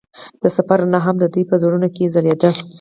د سفر رڼا هم د دوی په زړونو کې ځلېده.